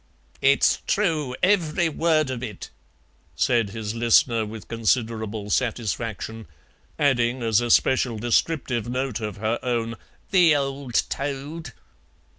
"It's true, every word of it," said his listener with considerable satisfaction, adding as a special descriptive note of her own, "the old toad."